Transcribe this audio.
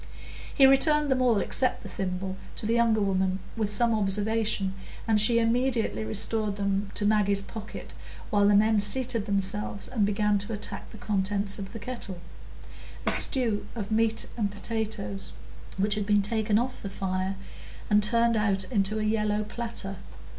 He returned them all except the thimble to the younger woman, with some observation, and she immediately restored them to Maggie's pocket, while the men seated themselves, and began to attack the contents of the kettle,—a stew of meat and potatoes,—which had been taken off the fire and turned out into a yellow platter.